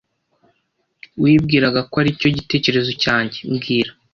Wibwiraga ko aricyo gitekerezo cyanjye mbwira